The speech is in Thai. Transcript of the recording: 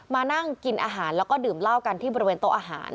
มานั่งกินอาหารแล้วก็ดื่มเหล้ากันที่บริเวณโต๊ะอาหาร